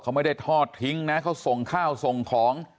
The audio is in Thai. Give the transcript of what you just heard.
เขาไม่ได้ทอดทิ้งนะเขาส่งข้าวส่งของ